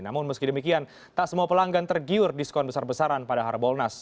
namun meski demikian tak semua pelanggan tergiur diskon besar besaran pada harbolnas